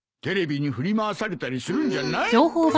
テレビに振り回されたりするんじゃない。